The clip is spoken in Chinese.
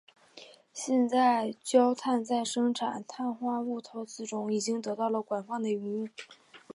现在焦炭在生产碳化物陶瓷中已经得到了广泛的应用。